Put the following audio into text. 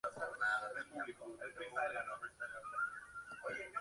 La mayoría de las especies son sedentarias o migran distancias cortas estacionalmente.